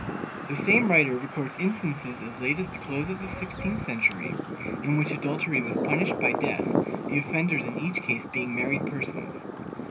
The same writer records instances as late as the close of the sixteenth century in which adultery was punished by death, the offenders in each case being married persons.